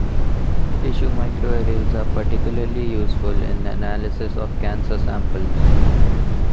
Tissue microarrays are particularly useful in analysis of cancer samples.